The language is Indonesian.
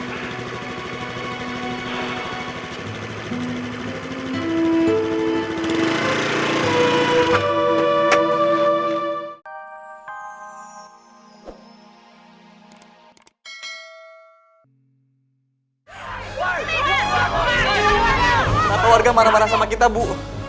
pak warga marah marah sama kita bu